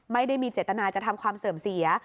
ไม่ได้มีเจตนาจะทำความเสื่อมเสีย